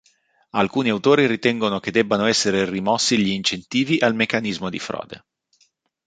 Alcuni autori ritengono che debbano essere rimossi gli incentivi al meccanismo di frode.